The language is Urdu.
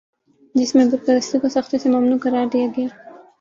جس میں بت پرستی کو سختی سے ممنوع قرار دیا گیا